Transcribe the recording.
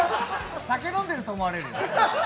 酒、飲んでると思われるよ。